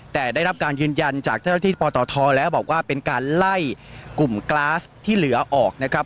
แต่ได้รับการยืนยันจากเจ้าหน้าที่ปตทแล้วบอกว่าเป็นการไล่กลุ่มกราสที่เหลือออกนะครับ